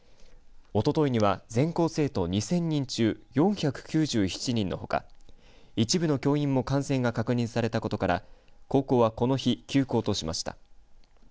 おとといには全校生徒２０００人中４９７人のほか一部の教員も感染が確認されたことから高校は、この日休校としました。